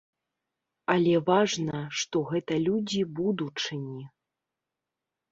Але важна, што гэта людзі будучыні.